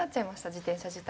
自転車自体。